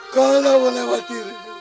kau tak mau lewati